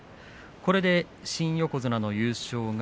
これで新横綱優勝。